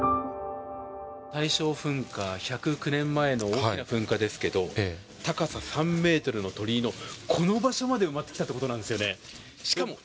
大正噴火、１０９年前の大きな噴火ですけど、高さ３メートルの鳥居の、この場所まで埋まってきたということなんですよね。